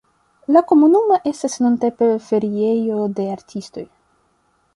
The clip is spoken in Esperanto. La komunumo estas nuntempe feriejo de artistoj.